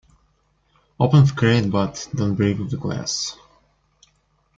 Open the crate but don't break the glass.